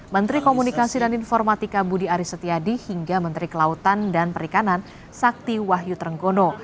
menteri komunikasi dan informatika budi aris setiadi hingga menteri kelautan dan perikanan sakti wahyu trenggono